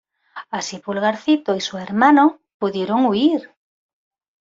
Así Pulgarcito y sus hermanos pudieron huir.